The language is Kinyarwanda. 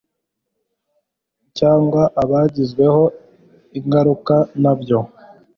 cyangwa abagizweho ingaruka nabyo